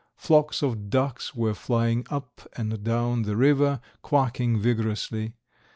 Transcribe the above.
Flocks of ducks were flying up and down the river, quacking vigorously.